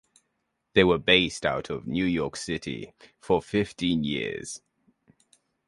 They were based out of New York City for fifteen years.